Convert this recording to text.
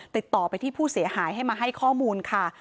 ติดต่อไปที่ผู้เสียหายให้มาให้ข้อมูลค่ะ